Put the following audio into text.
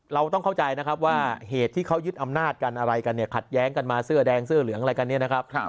เราต้องเข้าใจนะครับว่าเหตุที่เขายึดอำนาจกันอะไรกันเนี่ยขัดแย้งกันมาเสื้อแดงเสื้อเหลืองอะไรกันเนี่ยนะครับ